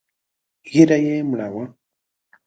ږيره يې مړه وه.